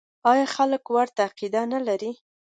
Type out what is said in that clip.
آیا خلک ورته عقیده نلري؟